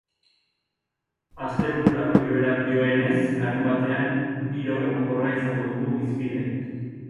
Astebururako joerak dioenez, larunbatean giro egonkorra izango dugu hizpide.